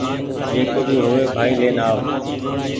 جڪو بي هووي ڀآئي لين آو